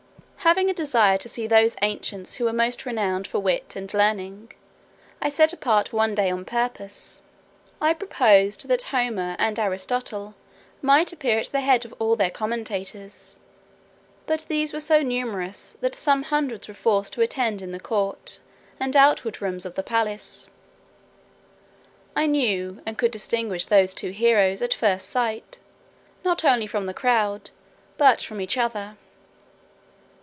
Having a desire to see those ancients who were most renowned for wit and learning, I set apart one day on purpose. I proposed that Homer and Aristotle might appear at the head of all their commentators; but these were so numerous, that some hundreds were forced to attend in the court, and outward rooms of the palace. I knew, and could distinguish those two heroes, at first sight, not only from the crowd, but from each other.